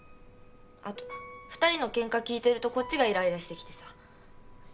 あと２人のケンカ聞いてるとこっちがいらいらしてきてさ。